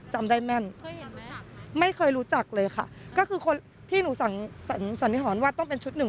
จำได้แม่นไม่เคยรู้จักเลยค่ะก็คือคนที่หนูสันนิษฐานว่าต้องเป็นชุดหนึ่ง